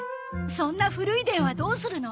そんな古い電話どうするの？